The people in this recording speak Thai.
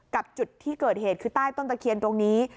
จุดที่เกิดเหตุคือใต้ต้นตะเคียนตรงนี้